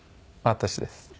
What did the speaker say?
私です。